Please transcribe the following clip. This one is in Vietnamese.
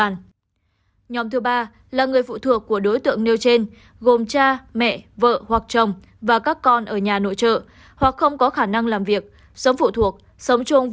nhóm thứ tư gồm cha mẹ vợ hoặc chồng và các con ở nhà nội trợ hoặc không có khả năng làm việc